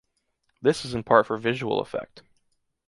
This is in part for visual effect.